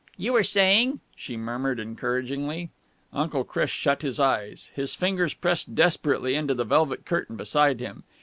"You were saying...?" she murmured encouragingly. Uncle Chris shut his eyes. His fingers pressed desperately into the velvet curtain beside him.